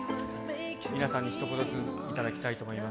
皆さんにひと言ずついただきたいと思います。